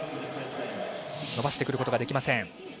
伸ばしてくることができません。